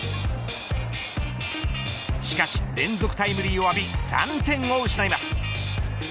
しかし、連続タイムリーを浴び３点を失います。